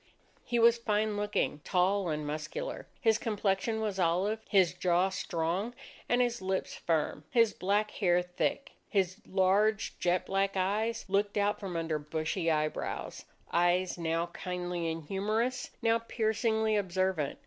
He was fine looking, tall, and muscular. His complexion was olive, his jaw strong, and his lips firm, his black hair thick. His large, jet black eyes looked out from under bushy eyebrows; eyes now kindly and humorous, now piercingly observant.